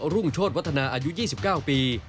รุ่งโชธวัฒนาอายุ๒๙ปี